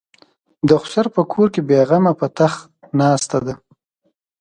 د خسر په کور کې بې غمه په تخت ناسته ده.